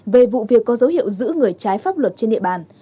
về vụ việc có dấu hiệu giữ người trái pháp luật trên địa bàn